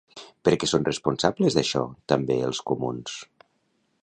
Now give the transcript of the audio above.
Per què són responsables d'això també els comuns?